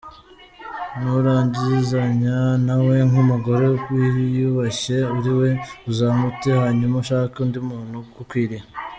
Nurangizanya na we nk’umugore wiyubashye uri we, uzamute hanyuma ushake undi muntu ugukwiriye.